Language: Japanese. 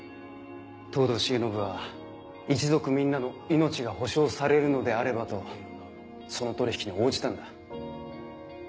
藤堂繁信は一族みんなの命が保証されるのであればとその取引に応じたんだ。